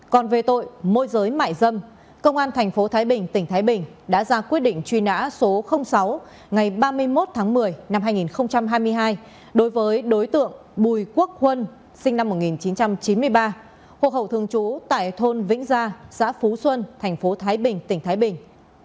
còn về tội môi giới mại dâm công an tp thái bình tỉnh thái bình đã ra quyết định truy nã số sáu ngày ba mươi một tháng một mươi năm hai nghìn hai mươi hai đối với đối tượng bùi quốc huân sinh năm một nghìn chín trăm chín mươi ba hộ khẩu thường trú tại thôn vĩnh gia xã phú xuân thành phố thái bình tỉnh thái bình